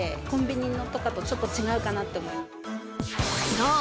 そう！